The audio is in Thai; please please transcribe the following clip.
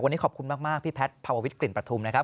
วันนี้ขอบคุณมากพี่แพทย์ภาววิทกลิ่นประทุมนะครับ